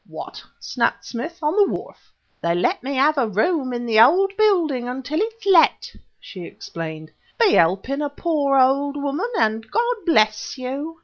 "What!" snapped Smith, "on the wharf?" "They let me have a room in the old building until it's let," she explained. "Be helping a poor old woman, and God bless you."